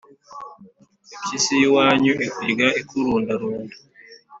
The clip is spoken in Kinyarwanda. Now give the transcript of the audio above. Impyisi y’iwanyu ikurya ikurundarunda.